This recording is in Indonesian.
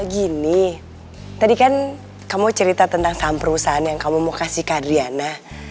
gini tadi kan kamu cerita tentang saham perusahaan yang kamu mau kasih kadriana